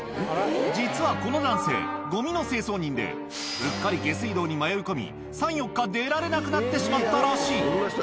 実はこの男性、ごみの清掃人で、うっかり下水道に迷い込み、３、４日出られなくなってしまったらしい。